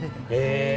へえ！